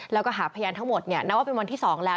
แล้วก็หาพยานทั้งหมดนับว่าเป็นวันที่๒แล้ว